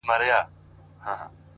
سترگي دي ژوند نه اخلي مرگ اخلي اوس!!